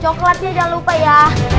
coklatnya jangan lupa ya